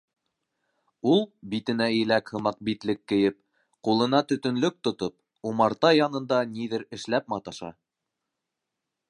Ул, битенә иләк һымаҡ битлек кейеп, ҡулына төтөнлөк тотоп, умарта янында ниҙер эшләп маташа.